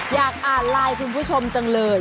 อยากอ่านไลน์คุณผู้ชมจังเลย